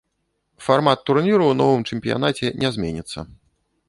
Фармат турніру ў новым чэмпіянаце не зменіцца.